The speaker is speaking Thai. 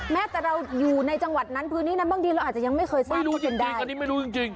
แม้แต่เราอยู่ในจังหวัดนั้นพื้นที่นั้นบางทีเราอาจจะยังไม่เคยทราบดีอันนี้ไม่รู้จริงจริง